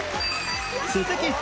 鈴木福